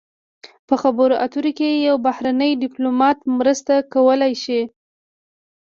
په خبرو اترو کې یو بهرنی ډیپلومات مرسته کولی شي